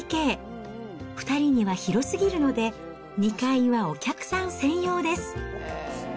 ２人には広すぎるので、２階はお客さん専用です。